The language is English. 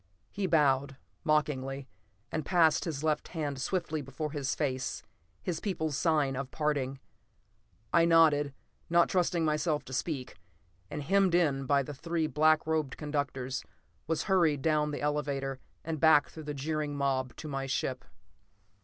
He bowed, mockingly, and passed his left hand swiftly before his face, his people's sign of parting. I nodded, not trusting myself to speak, and, hemmed in by my three black robed conductors, was hurried down the elevator and back through the jeering mob to my ship.